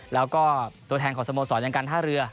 แล้วก็ตัวแทนของสโมสรอย่างการท่าเรือ